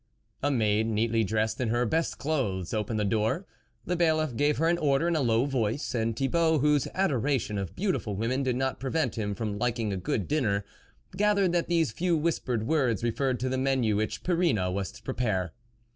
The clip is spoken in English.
A maid, neatly dressed in her best clothes, opened the door. The Bailiff gave ler an order in a low voice, and Thibault, whose adoration of beautiful women did not prevent him from liking a good dinner, gathered that these few whispered words referred to the menu which Perrine was to prepare.